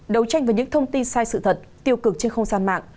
đấu tranh với những thông tin sai sự thật tiêu cực trên không gian mạng